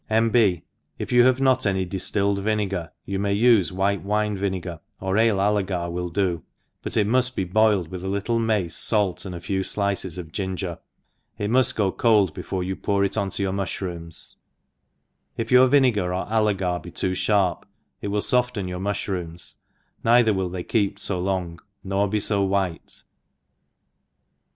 '' j^. J8. If ydu have not any diftilled vinegar, you may ufe white wine vinegar, or ale allegar will do, but it mufi: be boiled with t little mace, fait, and a few flices of gin^er^ it mufk be cold before you pour it on your mu(h« rooms; if your vinegar or allegar be too (harp it will foften ysmr mushrooms, neither will they keep fo long, nor be fo white.